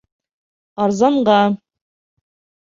Арзанға.